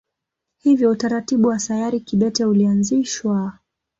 Hivyo utaratibu wa sayari kibete ulianzishwa.